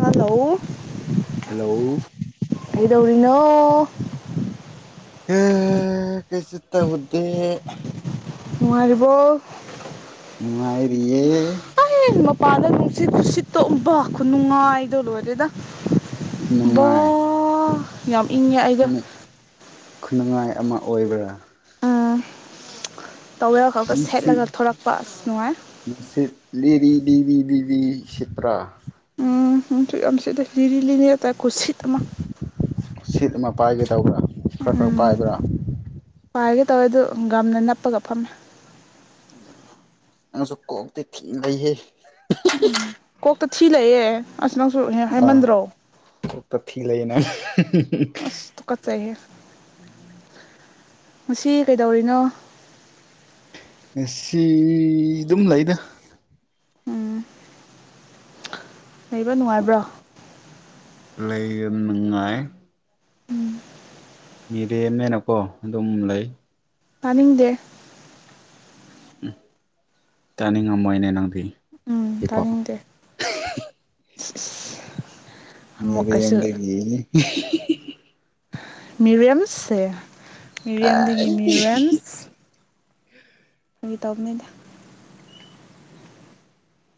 hello hello ꯀꯩꯗꯧꯔꯤꯅꯣ ꯀꯩꯁꯨ ꯇꯧꯗꯦ ꯅꯨꯡꯉꯥꯏꯔꯤꯕꯣ ꯅꯨꯡꯉꯥꯏꯔꯤꯌꯦ ꯑꯩ ꯃꯄꯥꯗ ꯅꯨꯡꯁꯤꯠ ꯅꯨꯡꯁꯤꯠꯇꯣꯕ ꯈꯨꯅꯨꯡꯉꯥꯏꯗꯣ ꯂꯣꯏꯔꯦꯗ ꯕꯣ ꯈꯨꯅꯨꯡꯉꯥꯏ ꯌꯥꯝ ꯏꯪꯉꯦ ꯑꯩꯒ ꯈꯨꯟꯅꯨꯡꯉꯥꯏ ꯑꯃ ꯑꯣꯏꯕ꯭ꯔꯥ ꯑꯥ ꯇꯋꯦꯜ ꯈꯛꯒ ꯅꯨꯡꯁꯤꯠ ꯁꯦꯠꯂꯒ ꯊꯣꯔꯛꯄ ꯑꯁ ꯅꯨꯡꯉꯥꯏ ꯅꯨꯡꯁꯤꯠ ꯂꯤꯔꯤ ꯂꯤꯕꯤ ꯕꯤꯕꯤ ꯁꯤꯠꯄ꯭ꯔꯥ [unintelligible] ꯌꯥꯝ ꯁꯤꯠꯂꯤ ꯂꯤꯔꯤ ꯂꯤꯅꯦꯇꯥ ꯀꯨꯁꯤꯠ ꯑꯃ ꯁꯤꯠ ꯑꯃ ꯄꯥꯏꯒꯦ ꯇꯧꯕ꯭ꯔꯥ ꯈꯔ ꯈꯔ ꯎꯝ ꯄꯥꯏꯕ꯭ꯔꯥ ꯄꯥꯏꯒꯦ ꯇꯧꯋꯦ ꯑꯗꯨ ꯒꯝꯅ ꯅꯞꯄꯒ ꯐꯝꯃꯦ ꯎꯝ ꯑꯁ ꯅꯪꯁꯨ ꯀꯣꯛꯇꯤ ꯊꯤꯅ ꯂꯩꯍꯦ ꯀꯣꯛꯇ ꯊꯤ ꯂꯩꯛꯑꯦ ꯑꯁ ꯅꯪꯁꯨ ꯍꯦꯛ ꯑꯥ ꯍꯥꯏꯃꯟꯗ꯭ꯔꯣ ꯀꯣꯛꯇ ꯊꯤ ꯂꯩꯌꯦꯅꯦ ꯑꯁ ꯇꯨꯀꯠꯆꯩꯍꯦ ꯉꯁꯤ ꯀꯩꯗꯧꯔꯤꯅꯣ ꯉꯁꯤ ꯑꯗꯨꯝ ꯂꯩꯗ ꯎꯝ ꯂꯩꯕ ꯅꯨꯡꯉꯥꯏꯕ꯭ꯔꯣ ꯂꯩꯕ ꯅꯨꯡꯉꯥꯏ ꯃꯤꯔꯦꯝꯅꯦꯅꯀꯣ ꯑꯗꯨꯝ ꯂꯩ ꯇꯥꯅꯤꯡꯗꯦ ꯎꯝ ꯇꯥꯅꯤꯡ ꯉꯝꯃꯣꯏꯅꯦ ꯅꯪꯗ ꯎꯝ ꯇꯥꯅꯤꯡꯗꯦ ꯑꯃꯨꯛꯀꯁꯨ ꯃꯤꯔꯦꯝꯒꯤ ꯃꯤ ꯃꯤꯔꯦꯝꯁꯁꯦ ꯃꯤꯔꯦꯝꯗꯒꯤ ꯃꯤꯔꯦꯝꯁ ꯐꯥꯒꯤ ꯇꯧꯕꯅꯤꯗ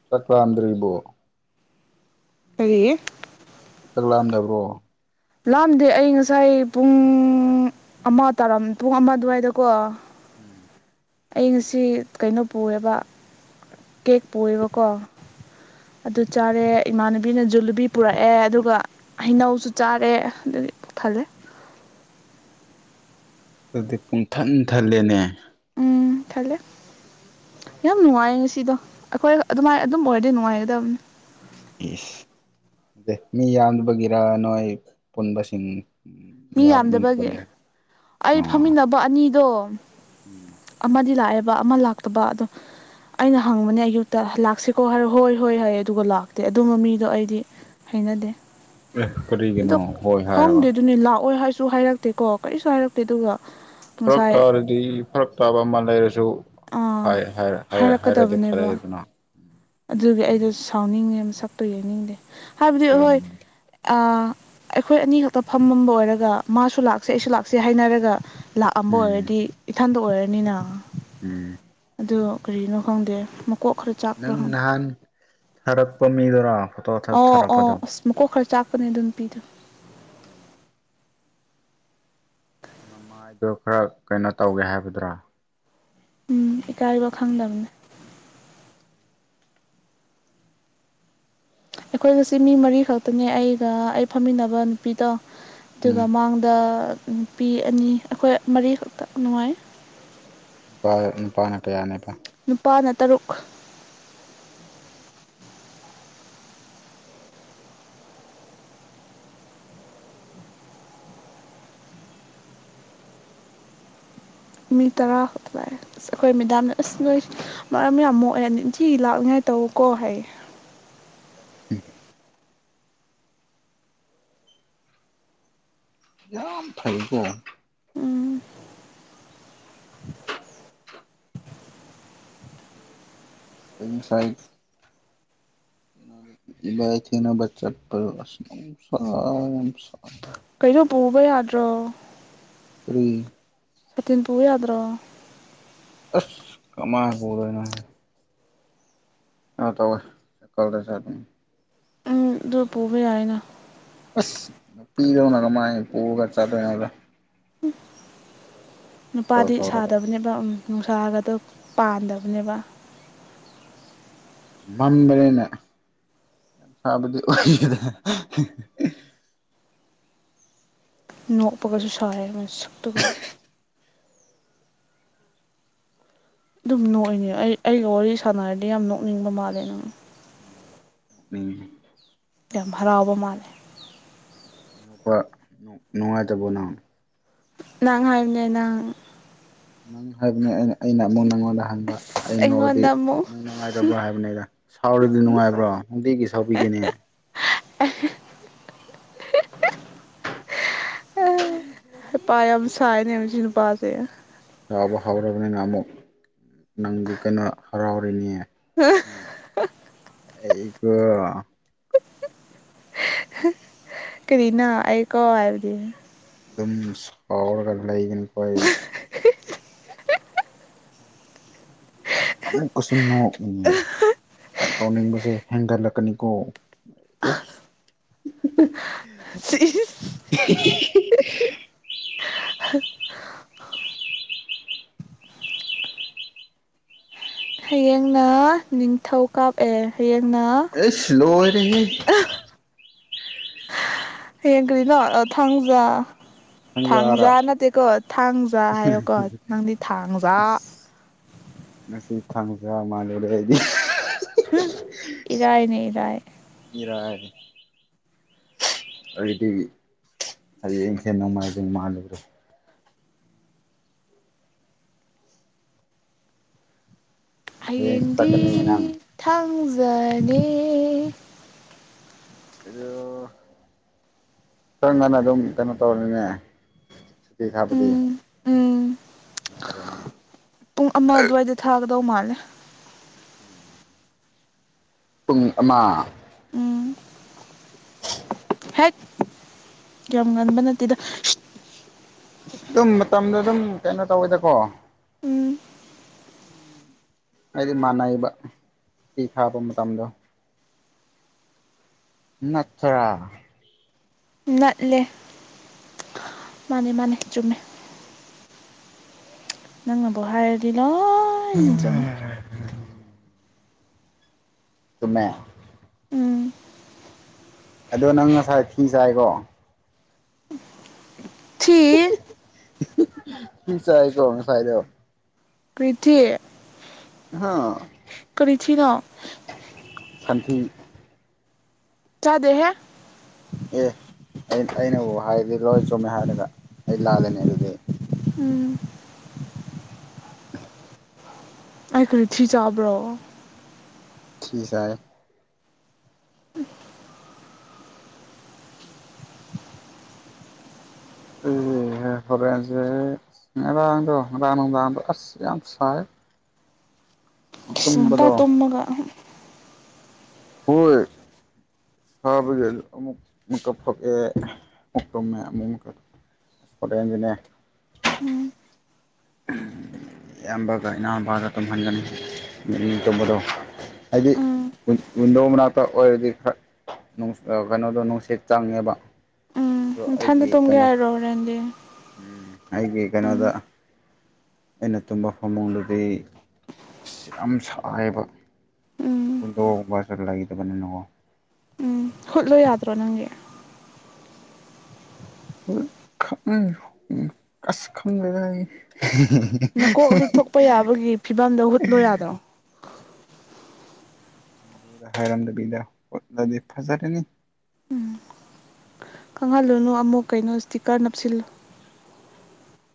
ꯆꯠꯔꯥꯝꯗ꯭ꯔꯤꯕꯣ ꯑꯦ ꯆꯥꯛ ꯂꯥꯝꯗꯕ꯭ꯔꯣ ꯂꯥꯝꯗꯦ ꯑꯩ ꯉꯁꯥꯏ ꯄꯨꯡ ꯑꯃ ꯇꯥꯔꯝ ꯄꯨꯡ ꯑꯃ ꯑꯗꯨꯋꯥꯏꯗꯀꯣ ꯎꯝ ꯑꯩ ꯉꯁꯤ ꯀꯩꯅꯣ ꯄꯨꯌꯦꯕ ꯀꯦꯛ ꯄꯨꯌꯦꯕꯀꯣ ꯑꯗꯨ ꯆꯥꯔꯦ ꯏꯃꯥꯟꯅꯕꯤꯅ ꯖꯤꯂꯤꯕꯤ ꯄꯨꯔꯛꯑꯦ ꯑꯗꯨꯒ ꯍꯩꯅꯧꯁꯨ ꯆꯥꯔꯦ ꯑꯗꯨꯒꯤ ꯊꯜꯂꯦ ꯑꯗꯤ ꯄꯨꯡꯊꯟ ꯊꯜꯂꯦꯅꯦ ꯎꯝ ꯊꯜꯂꯦ ꯌꯥꯝ ꯅꯨꯡꯉꯥꯏ ꯉꯁꯤꯗꯣ ꯑꯩꯈꯣꯏ ꯑꯗꯨꯃꯥꯏ ꯑꯗꯨꯝ ꯑꯣꯏꯔꯗꯤ ꯅꯨꯡꯉꯥꯏꯒꯗꯕꯅꯦ ꯏꯁ [unintelligible] ꯃꯤ ꯌꯥꯝꯗꯕꯒꯤꯔ ꯅꯣꯏ ꯄꯨꯟꯕꯁꯤꯡ ꯃꯤ ꯌꯥꯝꯗꯕꯒꯤ ꯂꯥꯛꯃꯤꯟꯅꯕꯒꯤꯔ ꯑꯩ ꯑꯣ ꯐꯝꯃꯤꯟꯅꯕ ꯑꯅꯤꯗꯣ ꯎꯝ ꯑꯃꯗꯤ ꯂꯥꯛꯑꯦꯕ ꯑꯃ ꯂꯥꯛꯇꯕ ꯑꯗꯣ ꯑꯩꯅ ꯍꯪꯕꯅꯦ ꯑꯌꯨꯛꯇ ꯂꯥꯛꯁꯤꯀꯣ ꯍꯥꯏ ꯍꯣꯏ ꯍꯥꯏꯌꯦ ꯑꯗꯨꯒ ꯂꯥꯛꯇꯦ ꯑꯗꯨꯝꯕ ꯃꯤꯗꯣ ꯑꯩꯗꯤ ꯍꯩꯅꯗꯦ ꯑꯦ ꯀꯔꯤꯒꯤꯅꯣ ꯑꯗꯣ ꯍꯣꯏ ꯍꯥꯏꯔꯒ ꯈꯪꯗꯦ ꯑꯗꯨꯅꯦ ꯂꯥꯛ ꯑꯣꯏ ꯍꯥꯏꯁꯨ ꯍꯥꯏꯔꯛꯇꯦꯀꯣ ꯀꯔꯤꯁꯨ ꯍꯥꯏꯔꯛꯇꯦ ꯑꯗꯨꯒ ꯐꯔꯛ ꯉꯁꯥꯏ ꯇꯥꯔꯗꯤ ꯐꯔꯛ ꯇꯥꯕ ꯑꯃ ꯂꯩꯔꯁꯨ ꯑꯥ ꯍꯥꯏ ꯍꯥꯏ ꯍꯥꯏ ꯍꯥꯏꯔꯗꯤ ꯍꯥꯏꯔꯛꯀꯗꯕꯅꯦꯕ ꯐꯔꯦꯗꯅ ꯑꯗꯨꯒꯤ ꯑꯩꯗꯣ ꯁꯥꯎꯅꯤꯡꯉꯦ ꯃꯁꯛꯇꯨ ꯌꯦꯡꯅꯤꯡꯗꯦ ꯍꯥꯏꯕꯗꯤ ꯀꯔꯝ ꯍꯣꯏ ꯑꯩꯈꯣꯏ ꯑꯅꯤ ꯈꯛꯇ ꯐꯝꯃꯝꯕ ꯑꯣꯏꯔꯒ ꯃꯥꯁꯨ ꯂꯥꯛꯁꯦ ꯑꯩꯁꯨ ꯂꯥꯛꯁꯦ ꯍꯥꯏꯅꯔꯒ ꯂꯥꯛꯑꯝꯕ ꯎꯝ ꯑꯣꯏꯔꯗꯤ ꯏꯊꯟꯇ ꯑꯣꯏꯔꯅꯤꯅ ꯎꯝ ꯑꯗꯨ ꯀꯔꯤꯅꯣ ꯈꯪꯗꯦ ꯃꯀꯣꯛ ꯈꯔ ꯆꯥꯛꯄ꯭ꯔꯥ ꯅꯪ ꯈꯪꯗꯦ ꯅꯍꯥꯟ ꯊꯥꯔꯛꯄ ꯃꯤꯗꯨꯔꯣ ꯑꯣ ꯑꯣ ꯊꯥꯔꯛꯄꯗꯣ ꯑꯁ ꯃꯀꯣꯛ ꯈꯔ ꯆꯥꯛꯄꯅꯦ ꯑꯗꯨ ꯅꯨꯄꯤꯗꯨ ꯎꯝ ꯃꯃꯥꯏꯗꯣ ꯈꯔ ꯀꯩꯅꯣ ꯇꯧꯒꯦ ꯍꯥꯏꯕꯗꯨꯔꯥ ꯎꯝ ꯏꯀꯥꯏꯕ ꯎꯝ ꯈꯪꯗꯕꯅꯦ ꯑꯩꯈꯣꯏꯒꯤꯁꯦ ꯃꯤ ꯃꯔꯤ ꯈꯛꯇꯅꯦ ꯑꯩꯒ ꯑꯩ ꯐꯝꯃꯤꯟꯅꯕ ꯅꯨꯄꯤꯗꯣ ꯎꯝ ꯑꯗꯨꯒ ꯃꯥꯡꯗ ꯅꯨꯄꯤ ꯑꯅꯤ ꯑꯩꯈꯣꯏ ꯃꯔꯤꯈꯛꯇ ꯅꯨꯡꯉꯥꯏ ꯅꯨꯄꯥ ꯅꯨꯄꯥꯅ ꯀꯌꯥꯅꯦꯕ ꯅꯨꯄꯥꯅ ꯇꯔꯨꯛ ꯃꯤ ꯇꯔꯥ ꯈꯛꯇꯥ ꯂꯥꯛꯑꯦ ꯑꯁ ꯑꯩꯈꯣꯏ ꯃꯦꯗꯥꯝꯅ ꯑꯁ ꯅꯣꯏ ꯃꯔꯝ ꯌꯥꯝ ꯃꯣꯛꯑꯦ ꯅꯤꯡꯊꯤꯒꯤ ꯂꯥꯛꯅꯤꯡꯉꯥꯏ ꯇꯧꯀꯣ ꯍꯥꯏꯌꯦ ꯎꯝ ꯌꯥꯝ ꯌꯥꯝ ꯐꯩꯀꯣ ꯎꯝ ꯁ ꯁꯥꯏ ꯏꯕꯥꯅꯤ ꯊꯦꯡꯅꯕ ꯆꯠꯄ ꯑꯁ ꯅꯨꯡꯁꯤ ꯌꯥꯝ ꯁꯥꯏ ꯀꯩꯅꯣ ꯄꯨꯕ ꯌꯥꯗ꯭ꯔꯣ ꯎꯝ ꯁꯥꯇꯤꯟ ꯄꯨ ꯌꯥꯗ꯭ꯔꯣ ꯑꯁ ꯀꯃꯥꯏ ꯄꯨꯗꯣꯏꯅꯣ ꯍꯦ ꯑ ꯇꯧꯋꯦ ꯁꯥꯏꯀꯜꯗ ꯆꯠꯄꯅꯦ ꯎꯝ ꯑꯗꯨ ꯄꯨꯕ ꯌꯥꯏꯅ ꯑꯁ ꯄꯤꯗꯧꯅ ꯀꯃꯥꯏꯅ ꯄꯨꯔꯒ ꯆꯠꯗꯣꯏꯅꯣꯗ ꯁꯥꯏꯀꯜ ꯅꯨꯄꯥꯗꯤ ꯊꯧꯔꯒ ꯁꯥꯗꯕꯅꯦꯕ ꯎꯝ ꯅꯨꯡꯁꯥ ꯒꯥꯇꯣ ꯄꯥꯟꯗꯕꯅꯦꯕ ꯃꯝꯕꯅꯤ ꯁꯥꯕꯗꯤ ꯑꯣꯏꯗꯅ ꯅꯣꯛꯄꯒꯁꯨ ꯁꯥꯔꯦ ꯃꯁꯛꯇꯨꯒ ꯑꯗꯨꯝ ꯅꯣꯛꯏꯅꯦ ꯑꯩ ꯑꯩꯒ ꯋꯥꯔꯤ ꯁꯥꯟꯅꯔꯗꯤ ꯌꯥꯝ ꯅꯣꯛꯅꯤꯡꯕ ꯃꯥꯜꯂꯦ ꯅꯪ ꯎꯝ ꯌꯥꯝ ꯍꯔꯥꯎꯕ ꯃꯥꯜꯂꯦ ꯅꯨꯄꯥ ꯅꯨꯡ ꯅꯨꯡꯉꯥꯏꯇꯥꯕꯣ ꯅꯪ ꯅꯪ ꯍꯥꯏꯕꯅꯦ ꯅꯪ ꯅꯪ ꯍꯥꯏꯕꯅ ꯑꯩꯅ ꯑꯩꯅ ꯑꯃꯨꯛ ꯅꯪꯉꯣꯟꯗ ꯍꯪꯕ ꯑꯩ ꯅꯣꯛꯑꯗꯤ ꯑꯩꯉꯣꯟꯗ ꯑꯃꯨꯛ ꯅꯪ ꯅꯨꯡꯉꯥꯏ ꯕ꯭ꯔꯥ ꯍꯥꯏꯕꯅꯤꯗ ꯁꯥꯎꯔꯗꯤ ꯅꯨꯡꯉꯥꯏꯕ꯭ꯔꯣ ꯅꯨꯡꯇꯤꯒꯤ ꯁꯥꯎꯕꯤꯒꯦꯅꯦ ꯄꯥ ꯌꯥꯝ ꯁꯥꯏꯑꯅꯦ ꯃꯁꯤ ꯅꯨꯄꯥꯁꯦ ꯁꯥꯎꯕ ꯍꯧꯔꯕꯅꯤꯅ ꯑꯃꯨꯛ ꯅꯪꯗꯤ ꯀꯩꯅꯣ ꯍꯔꯥꯎꯔꯅꯤꯌꯦ ꯍꯥ ꯑꯩꯀꯣ ꯀꯔꯤꯅꯥ ꯑꯩꯀꯣ ꯍꯥꯏꯕꯗꯤ ꯑꯗꯨꯝ ꯁꯥꯎꯔꯒ ꯂꯩꯒꯅꯤꯀꯣ ꯑꯩ ꯑꯃꯨꯛꯀꯁꯨ ꯅꯣꯛꯅꯤꯡꯉꯦ ꯁꯥꯎꯅꯤꯡꯕꯁꯦ ꯍꯦꯟꯒꯠꯂꯛꯀꯅꯤꯀꯣ ꯏꯁ [unintelligible] ꯍꯌꯦꯡꯅ ꯅꯤꯡꯊꯧꯀ ꯑꯦ ꯍꯌꯦꯡꯅ ꯏꯁ ꯂꯣꯏꯔꯦꯍꯦ ꯍꯌꯦꯡ ꯀꯔꯤꯅꯣ ꯑ ꯊꯥꯡꯖꯥ ꯊꯥꯡꯖꯥꯔꯥ ꯊꯥꯡꯓꯥ ꯅꯠꯇꯦꯀꯣ ꯊꯥꯡꯖꯥ ꯍꯥꯏꯌꯣꯀꯣ ꯅꯪꯗꯤ ꯊꯥꯡꯓꯥ ꯑꯁ ꯉꯁꯤ ꯈꯥꯡꯖꯥ ꯃꯥꯥꯟꯂꯨꯔꯦ ꯑꯩꯗꯤ ꯏꯔꯥꯏꯅꯦ ꯏꯔꯥꯏ ꯏꯔꯥꯏ ꯑꯗꯨꯗꯤ ꯍꯌꯦꯡ ꯆꯦꯅꯗꯧ ꯅꯣꯡꯃꯥꯏꯖꯤꯡ ꯃꯥꯜꯂꯨꯕꯗꯣ ꯍꯌꯦꯡꯁꯨ ꯍꯌꯦꯡꯗꯤ ꯆꯠꯀꯅꯤ ꯅꯪ ꯊꯥꯡꯖꯅꯤ ꯑꯗꯨ ꯈꯔ ꯉꯟꯅ ꯑꯗꯨꯝ ꯀꯩꯅꯣ ꯇꯧꯔꯅꯤꯅꯦ ꯏ ꯈꯥꯞꯄꯗꯤ ꯎꯝ ꯎꯝ ꯅꯨꯡꯉꯥꯏꯔꯦꯅꯦ ꯄꯨꯡ ꯑꯃ ꯑꯗꯨꯋꯥꯏꯗ ꯊꯥꯒꯗꯧ ꯃꯥꯜꯂꯦ [inaudible] ꯄꯨꯡ ꯑꯃ ꯎꯝ ꯍꯦꯛ ꯌꯥꯝ ꯉꯟꯕ ꯅꯠꯇꯦꯗ ꯑꯗꯨꯝ ꯃꯇꯝꯗꯣ ꯑꯗꯨꯝ ꯀꯩꯅꯣ ꯇꯧꯋꯦꯗ ꯀꯣ ꯎꯝ ꯍꯥꯏꯗꯤ ꯃꯥꯟꯅꯩꯕ ꯇꯤ ꯊꯥꯕ ꯃꯇꯝꯗꯣ ꯅꯠ ꯊꯔꯥ ꯅꯠꯂꯦ ꯃꯥꯅꯦ ꯃꯥꯅꯦ ꯆꯨꯝꯃꯦ ꯅꯪꯅꯕꯨ ꯍꯥꯏꯔꯗꯤ ꯂꯣꯏꯅ ꯆꯨꯝꯃꯦ ꯆꯨꯝꯃꯦ ꯎꯝ ꯑꯗꯣ ꯅꯪ ꯉꯁꯥꯏ ꯐꯤ ꯁꯥꯏꯔꯣ ꯊꯤ ꯐꯤ ꯁꯥꯏ ꯀꯣ ꯉꯁꯥꯏꯗꯣ ꯄ꯭ꯔꯤꯊꯤ ꯍꯥ ꯀꯔꯤ ꯊꯤꯅꯣ ꯁꯟꯊꯤ ꯆꯥꯗꯦꯍꯦ ꯑꯦ ꯑꯩ ꯑꯩꯅꯕꯨ ꯍꯥꯏꯔꯗꯤ ꯂꯣꯏ ꯆꯨꯝꯃꯦ ꯍꯥꯏꯔꯒ ꯑꯩ ꯂꯥꯜꯂꯦꯅꯦ ꯑꯗꯨꯗꯤ ꯎꯝ [inaudible] ꯑꯩ [unintelligible] ꯊꯤ ꯆꯥꯕ꯭ꯔꯣ ꯊꯤ ꯆꯥꯏꯌꯦ ꯑꯗꯨꯅꯦ ꯍꯦ ꯍꯣꯔꯦꯟꯁꯦ ꯉꯔꯥꯡꯗꯣ ꯉꯔꯥꯡ ꯅꯨꯡꯗꯥꯡꯗꯣ ꯑꯁ ꯌꯥꯝ ꯁꯥꯏ ꯏꯁ ꯉꯟꯇꯥ ꯇꯨꯝꯕꯗꯣ ꯇꯨꯝꯃꯒ ꯑꯍ ꯍꯣꯏ ꯁꯥꯕꯒꯤ ꯑꯗꯨ ꯑꯃꯨꯛ ꯃꯤꯀꯞ ꯊꯣꯛꯑꯦ ꯑꯃꯨꯛ ꯇꯝꯃꯦ ꯑꯃꯨꯛ ꯃꯨꯀ ꯑꯁ ꯍꯣꯔꯦꯟꯗꯤꯅꯦ ꯎꯝ ꯏꯌꯥꯝꯕꯒ ꯏꯅꯥꯎꯄꯥꯒ ꯇꯨꯝꯍꯟꯒꯅꯤ ꯃꯤ ꯑꯅꯤ ꯇꯨꯝꯕꯗꯣ ꯍꯥꯏꯗꯤ ꯎꯝ ꯋꯤ ꯋꯤꯟꯗꯣ ꯃꯅꯥꯛꯇ ꯑꯣꯏꯔꯗꯤ ꯈꯔ ꯅꯨꯡꯁ ꯑꯥ ꯀꯩꯅꯣꯗꯣ ꯅꯨꯡꯁꯤꯠ ꯆꯪꯉꯦꯕ ꯎꯝ ꯑꯗꯣ ꯅꯊꯟꯗ ꯑꯩꯒꯤ ꯇꯨꯝꯒꯦ ꯀꯩꯅꯣ ꯍꯥꯏꯔꯣ ꯍꯣꯔꯦꯟꯗꯤ ꯎꯝ ꯑꯩꯒꯤ ꯎꯝ ꯀꯩꯅꯣꯗ ꯑꯩꯅ ꯇꯨꯝꯕ ꯐꯃꯨꯡꯗꯨꯗꯤ ꯑꯁ ꯌꯥꯝ ꯁꯥꯏꯕ ꯎꯝ ꯋꯤꯟꯗꯣꯒꯨꯝꯕꯁꯨ ꯂꯩꯇꯕꯅꯤꯅꯀꯣ ꯎꯝ ꯍꯨꯠꯂꯣ ꯌꯥꯗ꯭ꯔꯣ ꯅꯪꯒꯤ [unintelligible] ꯑꯁ ꯈꯪꯗꯦꯗ ꯑꯩ ꯅꯀꯣꯛ ꯂꯤꯛꯊꯣꯛꯄ ꯌꯥꯕꯒꯤ ꯐꯤꯕꯝꯗ ꯍꯨꯠꯂꯣ ꯌꯥꯗ꯭ꯔꯣ ꯃꯄꯨꯗ ꯍꯥꯏꯔꯝꯗꯕꯤꯗ ꯍꯨꯠꯂꯗꯤ ꯐꯖꯔꯅꯤ ꯈꯪꯍꯜꯂꯨꯅꯨ ꯑꯃꯨꯛ ꯀꯩꯅꯣ ꯏꯁꯇꯤꯀꯔ ꯅꯞꯁꯤꯜꯂꯨ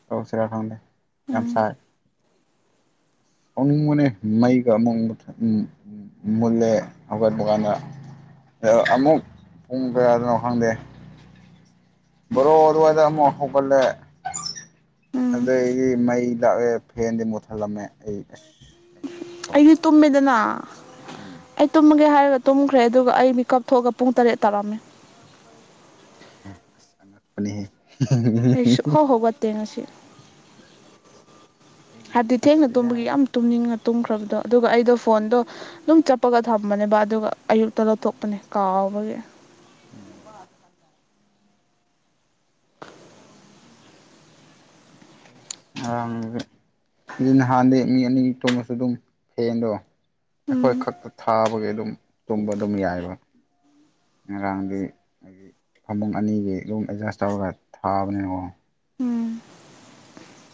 ꯇꯧꯁꯤꯔꯥ ꯈꯪꯗꯦ ꯌꯥꯝ ꯎꯝ ꯁꯥꯏ ꯁꯥꯎꯅꯤꯡꯕꯅꯦ ꯃꯩꯒ ꯑꯃꯨꯛ ꯃꯨꯊꯠ ꯎꯝ ꯎꯝ ꯃꯨꯠꯂꯦ ꯍꯧꯒꯠꯄ ꯀꯥꯟꯗ ꯑ ꯑꯃꯨꯛ ꯄꯨꯡ ꯀꯌꯥꯗꯅꯣ ꯈꯪꯗꯦ ꯕ꯭ꯔꯣ ꯑꯗꯨꯋꯥꯏꯗ ꯑꯃꯨꯛ ꯍꯧꯒꯠꯂꯦ ꯎꯝ ꯑꯗꯩꯒꯤ ꯃꯩ ꯂꯥꯛꯑꯦ ꯐꯦꯟꯗꯤ ꯃꯨꯠꯊꯠꯂꯝꯃꯦ ꯑꯩ ꯑꯁ ꯌꯥꯝ ꯀꯩꯅꯣ ꯇꯧꯕꯅꯦ ꯑꯩꯗꯤ ꯇꯨꯝꯃꯦꯗꯅ ꯎꯝ ꯑꯩ ꯇꯨꯝꯃꯒꯦ ꯍꯥꯏꯔꯒ ꯇꯨꯝꯈ꯭ꯔꯦ ꯑꯗꯨꯒ ꯑꯩ ꯃꯤꯀꯞ ꯊꯣꯛꯑꯒ ꯄꯨꯡ ꯇꯔꯦꯠ ꯇꯥꯔꯝꯃꯦ ꯑꯁ ꯑꯉꯛꯄꯅꯤꯍꯦ ꯑꯩ ꯁꯨꯛ ꯍꯥꯎ ꯍꯧꯒꯠꯇꯦ ꯉꯁꯤ ꯑꯩꯗꯤꯅꯦ ꯍꯥꯏꯕꯗꯤ ꯊꯦꯡꯅ ꯑꯁ ꯇꯨꯝꯕꯒꯤ ꯌꯥꯔꯦ ꯌꯥꯝ ꯇꯨꯝꯅꯤꯡꯉ ꯇꯨꯝꯈ꯭ꯔꯕꯗꯣ ꯑꯗꯨꯒ ꯑꯩꯗꯣ ꯐꯣꯟꯗꯣ ꯗꯨꯝ ꯆꯞꯄꯒ ꯊꯝꯕꯅꯦꯕ ꯑꯗꯨꯒ ꯑꯌꯨꯛꯇ ꯂꯧꯊꯣꯛꯄꯅꯦ ꯀꯥꯎꯕꯒꯤ ꯎꯝ [inaudible] ꯉꯔꯡꯗꯤ ꯅꯍꯥꯟꯗꯤ ꯃꯤ ꯑꯅꯤ ꯇꯨꯝꯃꯁꯨ ꯑꯗꯨꯝ ꯐꯦꯟꯗꯣ ꯑꯈꯣꯏ ꯎꯝ ꯈꯛꯇ ꯊꯥꯕꯒꯤ ꯑꯗꯨꯝ ꯇꯨꯝꯕ ꯑꯗꯨꯝ ꯌꯥꯏꯕ ꯉꯔꯥꯡꯗꯤ ꯍꯥꯏꯗꯤ ꯐꯃꯨꯡ ꯑꯅꯤꯒꯤ ꯑꯗꯨꯝ ꯑꯦꯗꯖꯦꯁ ꯇꯧꯔꯒ ꯊꯥꯕꯅꯤꯉꯣ ꯎꯝ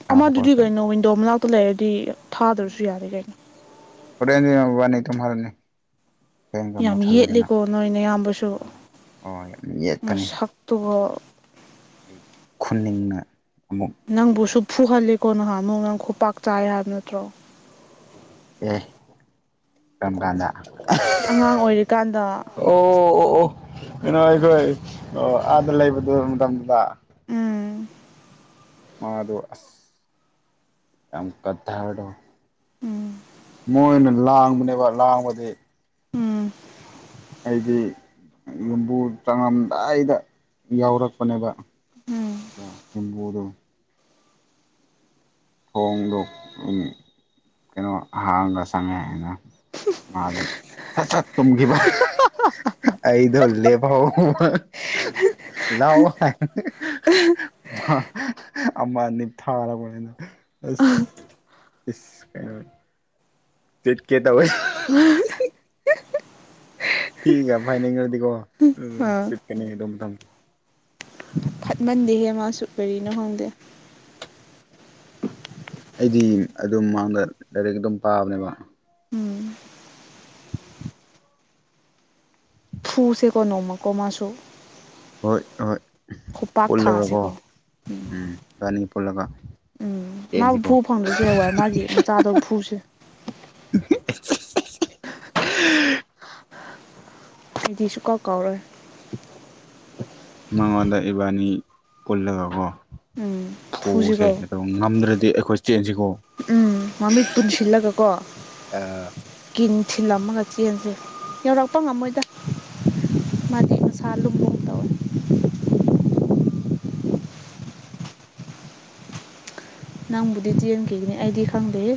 ꯁꯥꯕ ꯑꯃꯗꯨꯗꯤ ꯈꯣꯠꯄ ꯋꯦꯟꯅꯣ ꯋꯤꯟꯗꯣ ꯃꯅꯥꯛꯇ ꯂꯩꯔꯗꯤ ꯊꯥꯗ꯭ꯔꯁꯨ ꯎꯝ ꯌꯥꯔꯦ ꯀꯩꯅꯣ ꯍꯣꯔꯦꯟꯗꯤ ꯃꯕꯋꯥꯅꯤ ꯇꯨꯝꯍꯜꯂꯅꯤ ꯐꯦꯟꯒ ꯌꯥꯝ ꯃꯨꯠꯊꯠꯂꯦꯗꯅ ꯌꯦꯠꯂꯤꯀꯣ ꯅꯣꯏꯅ ꯅꯌꯥꯝꯕꯁꯨ ꯑꯣ ꯌꯥꯝ ꯌꯦꯠꯄꯅꯤ ꯃꯁꯛꯇꯨꯒ ꯑꯩ ꯑꯩ ꯈꯨꯅꯤꯡꯅ ꯑꯃꯨꯛ ꯅꯪꯕꯨꯁꯨ ꯐꯨꯍꯜꯂꯦꯀꯣ ꯅꯍꯥꯟꯃꯨꯛ ꯅꯪ ꯈꯨꯄꯥꯛ ꯆꯥꯏ ꯍꯥꯏꯕ ꯅꯠꯇ꯭ꯔꯣ ꯑꯦ ꯀꯔꯝ ꯀꯥꯟꯗ ꯑꯉꯥꯡ ꯑꯣꯏꯔꯤꯀꯥꯟꯗ ꯑꯣ ꯑꯣ ꯑꯣ ꯀꯩꯅꯣ ꯑꯩꯈꯣꯏ ꯑꯣ ꯑꯥꯗ ꯂꯩꯕꯗꯨ ꯃꯇꯝꯗꯨꯗ ꯎꯝ ꯃꯥꯗꯣ ꯑꯁ ꯌꯥꯝ ꯀꯠꯊꯔꯗꯣ ꯎꯝ ꯃꯣꯏꯅ ꯂꯥꯡꯕꯅꯦꯕ ꯂꯥꯡꯕꯗꯤ ꯎꯝ ꯑꯩꯗꯤ ꯌꯨꯝꯕꯨ ꯆꯪꯉꯝꯗꯥꯏꯗ ꯌꯥꯎꯔꯛꯄꯅꯦꯕ ꯎꯝ ꯗ ꯍꯤꯡꯕꯣꯗꯣ ꯊꯣꯡꯗꯣꯎꯝ ꯀꯩꯅꯣ ꯍꯥꯡꯒ ꯆꯪꯉꯦꯛ ꯑꯦꯅ ꯃꯥꯗꯤ ꯁꯠ ꯁꯠ ꯇꯨꯝꯒꯤꯕ ꯑꯩꯗꯣ ꯂꯦꯞ ꯐꯥꯎꯕ ꯂꯛꯑꯣ ꯍꯥꯏꯕꯅꯦ ꯃ ꯑꯃ ꯅꯤ ꯊꯥꯔꯕꯅꯤꯅ ꯑꯁ ꯏꯁ ꯀꯩꯅꯣ ꯆꯤꯠꯀꯦ ꯇꯧꯋꯤ ꯇꯤꯒ ꯐꯥꯏꯅꯦꯡ ꯉꯗꯤꯀꯣ ꯎꯝ ꯑꯥ ꯆꯤꯠꯀꯅꯤ ꯑꯗꯨꯇꯝ ꯐꯠꯃꯟꯗꯦꯍꯦ ꯃꯥꯁꯨ ꯀꯔꯤꯅꯣ ꯈꯪꯗꯦ ꯑꯩꯗꯤ ꯑꯗꯨꯝ ꯃꯥꯡꯗ ꯂꯥꯏꯔꯤꯛ ꯑꯗꯨꯝ ꯄꯥꯕꯅꯦꯕ ꯎꯝ ꯐꯨꯁꯦꯀꯣ ꯅꯣꯡꯃꯀꯣ ꯃꯥꯁꯨ ꯍꯣꯏ ꯍꯣꯏ ꯈꯨꯄꯥꯛ ꯄꯨꯜꯂꯒꯀꯣ ꯊꯥꯁꯤꯀꯣ ꯎꯝ ꯏꯕꯅꯤ ꯄꯨꯜꯂꯒ ꯎꯝ ꯃꯥꯕꯨ ꯆꯦꯟꯁꯤꯀꯣ ꯐꯨ ꯐꯪꯗ꯭ꯔꯁꯨ ꯍꯌꯦꯡ ꯋꯥꯏ ꯃꯥꯒꯤ ꯃꯆꯥꯗꯣ ꯐꯨꯁꯦ ꯑꯩꯗꯤꯁꯨ ꯀꯥꯎ ꯀꯥꯎꯔꯣꯏ ꯃꯉꯣꯟꯗ ꯏꯕꯥꯅꯤ ꯄꯨꯜꯂꯒꯀꯣ ꯎꯝ ꯐꯨꯁꯦ ꯐꯨꯁꯤꯀꯣ ꯅꯗꯧ ꯉꯝꯗ꯭ꯔꯗꯤ ꯑꯩꯈꯣꯏ ꯆꯦꯟꯖꯤꯀꯣ ꯎꯝ ꯃꯃꯤꯠ ꯄꯨꯟꯁꯤꯜꯂꯒ ꯀꯣ ꯑꯥ ꯀꯤꯟ ꯊꯤꯜꯂꯝꯃꯒ ꯆꯦꯟꯁꯦ ꯌꯧꯔꯛꯄ ꯉꯝꯃꯣꯏꯗ ꯃꯥꯗꯤ ꯃꯁꯥ ꯂꯨꯝꯒꯨꯝ ꯇꯧꯋꯦ ꯅꯪꯕꯨꯗꯤ ꯆꯦꯟꯈꯤꯒꯅꯤ ꯑꯩꯗꯤ ꯈꯡꯗꯦꯍꯦ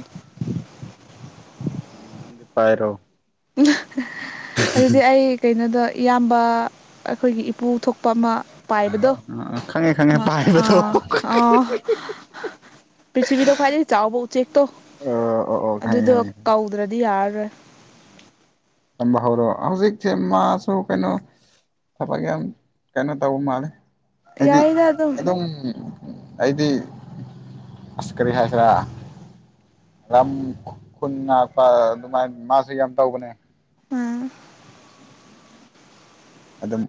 ꯅꯪ ꯅꯪꯗꯤ ꯄꯥꯏꯔꯣ ꯑꯗꯨꯗꯤ ꯑꯩ ꯀꯩꯅꯣꯗꯣ ꯏꯌꯥꯝꯕ ꯑꯩꯈꯣꯏꯒꯤ ꯏꯄꯨ ꯊꯣꯛꯄ ꯑꯃ ꯇꯥꯏꯕꯗꯣ ꯑꯥ ꯈꯪꯉꯦ ꯈꯪꯉꯦ ꯃꯥ ꯄꯥꯏꯕꯗꯣ ꯑꯥ ꯑꯣ ꯑꯣ ꯄ꯭ꯔꯤꯊꯤꯕꯤꯗ ꯈ꯭ꯋꯥꯏꯗꯒꯤ ꯆꯥꯎꯕ ꯎꯆꯦꯛꯇꯣ ꯑꯣ ꯑꯣ ꯈꯪꯉꯦ ꯑꯗꯨꯗꯣ ꯈꯪꯉꯦ ꯀꯧꯗ꯭ꯔꯥꯗꯤ ꯌꯥꯔꯂꯣꯏ ꯇꯝꯕ ꯍꯧꯔꯣ ꯍꯧꯖꯤꯛꯁꯦ ꯃꯥꯁꯨ ꯀꯩꯅꯣ ꯊꯕꯛ ꯌꯥꯝ ꯀꯩꯅꯣ ꯇꯧꯕ ꯃꯥꯜꯂꯦ ꯍꯥꯏꯗꯤ ꯑꯗꯨꯝ ꯑꯩꯗꯤ ꯑꯁ ꯀꯔꯤ ꯍꯥꯏꯁꯤꯔꯥ ꯌꯥꯝ ꯈꯨꯟ ꯉꯥꯛꯄ ꯑꯗꯨꯃꯥꯏꯅ ꯃꯥꯁꯤ ꯌꯥꯝ ꯇꯧꯕꯅꯦ ꯎꯝ ꯑꯗꯨꯝ